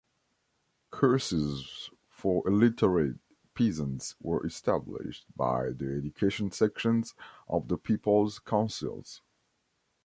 Courses for illiterate peasants were established by the education sections of the people's councils.